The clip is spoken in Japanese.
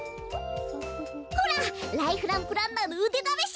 ほらライフランプランナーのうでだめし！